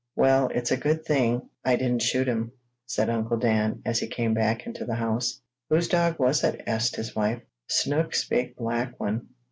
"Well, it's a good thing I didn't shoot him," said Uncle Daniel as he came back into the house. "Whose dog was it?" asked his wife. "Snook's big black one.